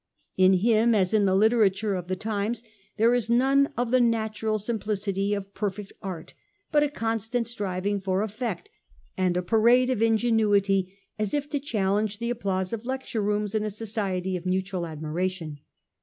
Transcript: In him, as in the literature of the times, there is none of the natural simplicity of perfect art, but a constant striving for effect and a parade of ingenuity, as if to challenge the applause of lecture rooms in a society of mutual admiration.